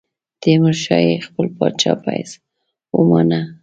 تیمورشاه یې خپل پاچا په حیث ومانه.